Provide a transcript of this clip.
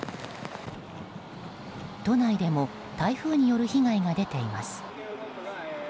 都内でも台風による被害が出ています。